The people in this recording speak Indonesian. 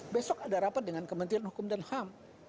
besok ada rapat dengan kementerian hukum dan ham